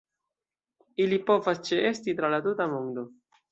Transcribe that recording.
Ili povas ĉeesti tra la tuta mondo.